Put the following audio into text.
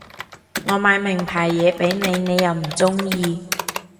我買名牌嘢畀你你又唔中意